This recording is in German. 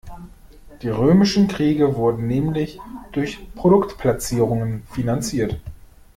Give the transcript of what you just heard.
Die römischen Kriege wurden nämlich durch Produktplatzierungen finanziert.